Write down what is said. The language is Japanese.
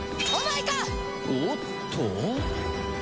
おっと。